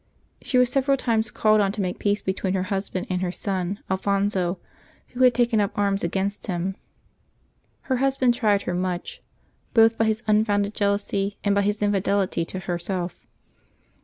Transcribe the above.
She was several times called on to make peace between her husband and her son Al phonso, who had taken up arms against him. Her husband tried her much, both by his unfounded jealousy and by his infidelity to herself.